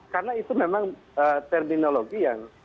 karena itu memang terminologi